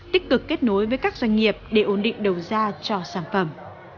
tích cực kết nối với các doanh nghiệp để ổn định đầu ra cho sản phẩm